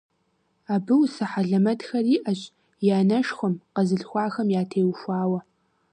Абы усэ хьэлэмэтхэр иӀэщ и анэшхуэм, къэзылъхуахэм ятеухуауэ.